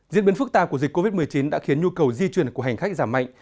diễn biến phức tạp của dịch covid một mươi chín đã khiến nhu cầu di chuyển của hành khách giảm mạnh